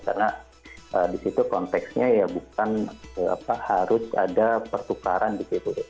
karena di situ konteksnya ya bukan harus ada pertukaran di situ